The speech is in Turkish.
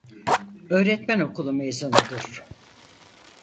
Öğretmen Okulu mezunudur.